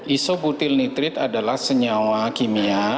isoputil nitrit adalah senyawa kimia